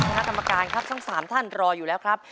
คณะกรรมการครับทั้ง๓ท่านรออยู่แล้วครับ